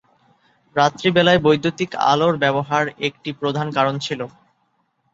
রাত্রিবেলায় বৈদ্যুতিক আলোর ব্যবহার একটি প্রধান কারণ ছিল।